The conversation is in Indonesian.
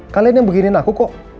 kalian yang beginiin aku kok